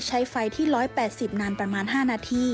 ใช้ไฟที่๑๘๐นานประมาณ๕นาที